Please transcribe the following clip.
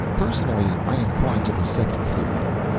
"Personally, I incline to the second theory.